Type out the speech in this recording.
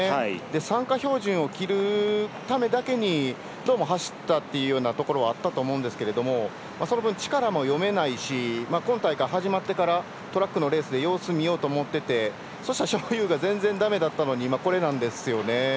参加標準を切るためだけにどうも走ったっていうようなところはあったと思うんですけどその分、力も読めないし今大会、始まってからトラックのレースで様子を見ようと思っててそうしたら章勇が全然だめだったのに今、これなんですよね。